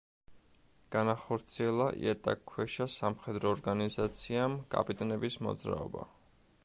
განახორციელა იატაკქვეშა სამხედრო ორგანიზაციამ „კაპიტნების მოძრაობა“.